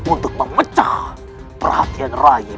untuk memecah perhatian raya